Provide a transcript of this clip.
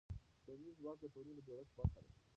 ټولنیز ځواک د ټولنې د جوړښت برخه ده.